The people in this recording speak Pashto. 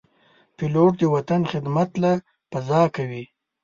پیلوټ د وطن خدمت له فضا کوي.